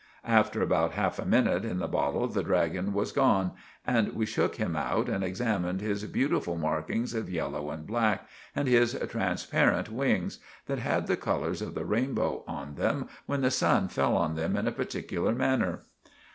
After about half a minute in the bottle the draggon was gone, and we shook him out and examined his butiful markings of yellow and black and his transparent wings, that had the colours of the rainbow on them when the sun fell on them in a particular manner.